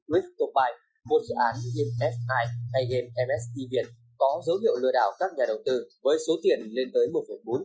một dự án game f chín hay game mst việt có dấu hiệu lừa đảo các nhà đầu tư với số tiền lên tới một bốn triệu usd